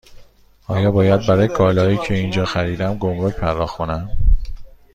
آیا باید برای کالاهایی که اینجا خریدم گمرگ پرداخت کنم؟